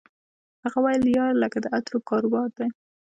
هغه ویل یار لکه د عطرو کاروبار دی